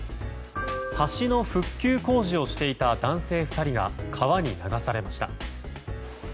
橋の復旧工事をしていた男性２人が川に流されました。